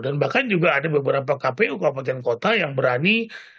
dan bahkan juga ada beberapa kpu kewabatan kota yang berani